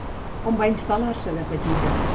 On va instal·lar-se de petita?